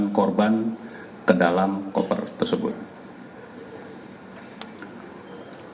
dan kemudian tersangka keluar lagi membeli koper yang ada di depan sebagai barang bukti